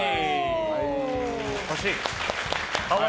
欲しい！